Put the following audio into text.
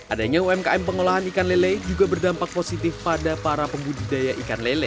adanya umkm pengolahan ikan lele juga berdampak positif pada para pembudidaya ikan lele